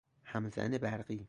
همزن برقی